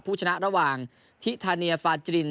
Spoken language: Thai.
ผู้ชนะระหว่างทิธาเนียฟาจิริน